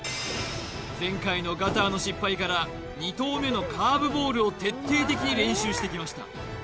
前回のガターの失敗から２投目のカーブボールを徹底的に練習してきました